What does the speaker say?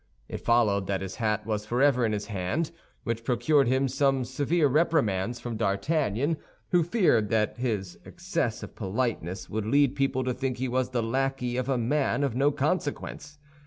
It followed that his hat was forever in his hand, which procured him some severe reprimands from D'Artagnan, who feared that his excess of politeness would lead people to think he was the lackey of a man of no consequence.